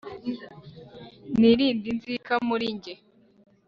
nirinde inzika muri nge